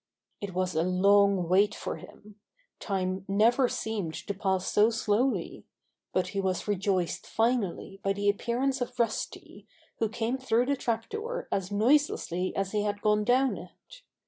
It was a long wait for him. Time never seemed to pass so slowly. But he was rejoiced finally by the appearance of Rusty, who came through the trap door as noiselessly as he had gone down it.